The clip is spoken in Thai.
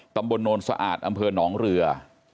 ตำบลโนรสอาดอำเภอหนองเรือ